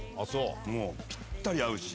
もうぴったり合うし。